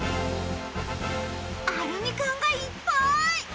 アルミ缶がいっぱい！